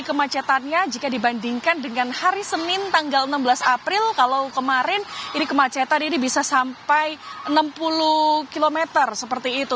kemacetannya jika dibandingkan dengan hari senin tanggal enam belas april kalau kemarin ini kemacetan ini bisa sampai enam puluh km seperti itu